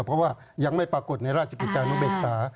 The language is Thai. เพราะว่ายังไม่ปรากฏในราชิกีจารย์หนุ่นเบกสา